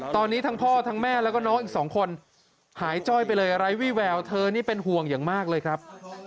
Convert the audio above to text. ตอนนี้ทั้งพ่อทั้งแม่แล้วก็น้องอีกสองคนหายจ้อยไปเลยไร้วี่แววเธอนี่เป็นห่วงอย่างมากเลยครับ